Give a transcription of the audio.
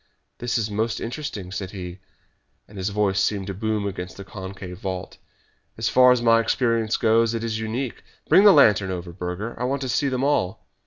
"This is most interesting," said he, and his voice seemed to boom against the concave vault. "As far as my experience goes, it is unique. Bring the lantern over, Burger, for I want to see them all."